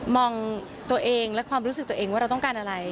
มองตัวเองและความรู้สึกตัวเองว่าเราต้องการอะไร